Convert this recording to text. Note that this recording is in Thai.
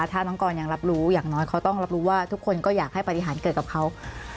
ถ้าน้องกรยังรับรู้อย่างน้อยเขาต้องรับรู้ว่าทุกคนก็อยากให้ปฏิหารเกิดกับเขา